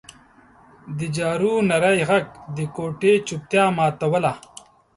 د جارو نري غږ د کوټې چوپتیا ماتوله.